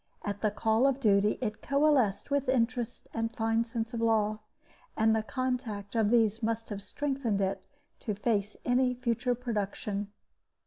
At the call of duty it coalesced with interest and fine sense of law, and the contact of these must have strengthened it to face any future production.